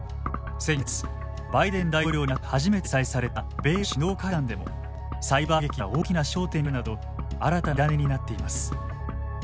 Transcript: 先月バイデン大統領になって初めて開催された米ロ首脳会談でもサイバー攻撃が大きな焦点になるなど新たな火種になっています。